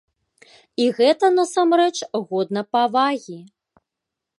І гэта, насамрэч, годна павагі.